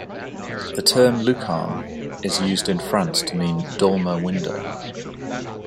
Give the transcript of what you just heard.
The term lucarne is used in France to mean "dormer window".